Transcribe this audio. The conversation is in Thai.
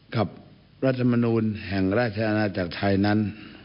กับราชมนุนแห่งราชอาณาจักรไทยนั้น